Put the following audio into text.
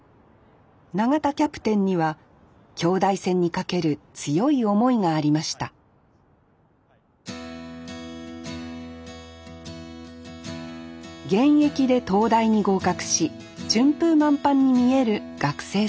永田キャプテンには京大戦に懸ける強い思いがありました現役で東大に合格し順風満帆に見える学生生活。